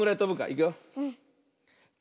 いくよ。と